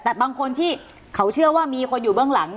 แต่บางคนที่เขาเชื่อว่ามีคนอยู่เบื้องหลัง